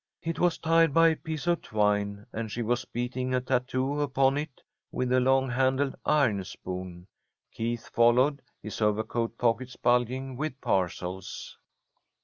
It was tied by a piece of twine, and she was beating a tattoo upon it with a long handled iron spoon. Keith followed, his overcoat pockets bulging with parcels.